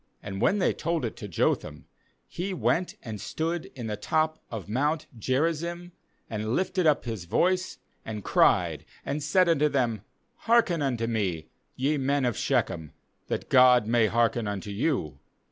7And when they told it to Jotham, he went and stood in the top of mount Geri zim, and lifted up his voice, and cried, and said unto them: 'Hearken' unto me, ye men of Shechem, that God may hearken unto you.